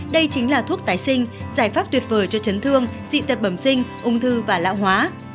đây chính là thuốc tái sinh giải pháp tuyệt vời cho chấn thương dị tật bẩm sinh ung thư và lão hóa